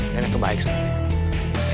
kan itu baik sekali